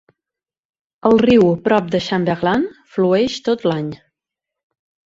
El riu prop de Chamberlain flueix tot l'any.